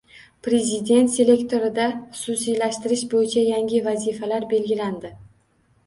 Prezident selektorida xususiylashtirish bo‘yicha yangi vazifalar belgilandi